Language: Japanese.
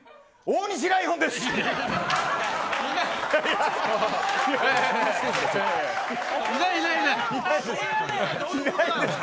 大西ライオンです！